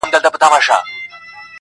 o چرگه زما ده، هگۍ د بل کره اچوي.